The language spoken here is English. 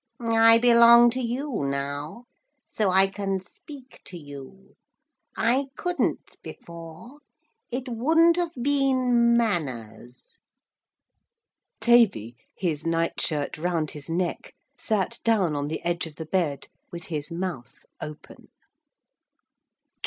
'I belong to you now, so I can speak to you. I couldn't before. It wouldn't have been manners.' Tavy, his night shirt round his neck, sat down on the edge of the bed with his mouth open.